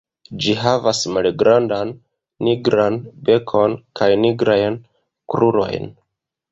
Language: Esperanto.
Ĝi havas malgrandan nigran bekon kaj nigrajn krurojn.